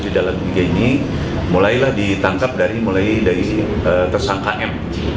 di dalam bg ini mulailah ditangkap dari tersangka m